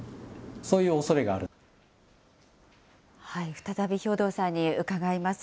再び兵頭さんに伺います。